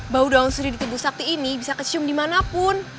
bau daun suri di tubuh sakti ini bisa kecium dimanapun